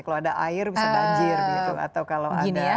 kalau ada air bisa banjir gitu